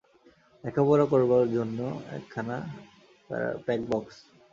লেখাপড়া করবার জন্যে একখানা প্যাকবাক্স।